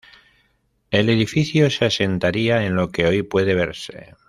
El edificio se asentaría en lo que hoy puede verse.